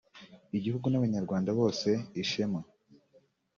igihugu n’abanyarwanda bose ishema